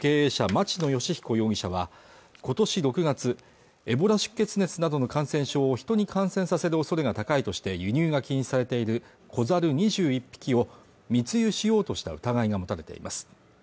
町野義彦容疑者は今年６月エボラ出血熱などの感染症を人に感染させるおそれが高いとして輸入が禁止されている子ザル２１匹を密輸しようとした疑いが持たれています